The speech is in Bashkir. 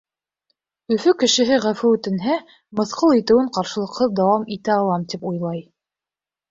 Өфө кешеһе ғәфү үтенһә, мыҫҡыл итеүен ҡаршылыҡһыҙ дауам итә алам, тип уйлай.